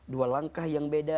dua langkah yang beda